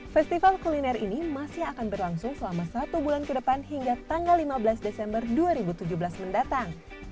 festival kuliner ini masih akan berlangsung selama satu bulan ke depan hingga tanggal lima belas desember dua ribu tujuh belas mendatang